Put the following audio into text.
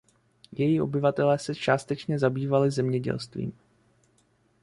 Její obyvatelé se částečně zabývali zemědělstvím.